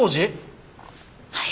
はい。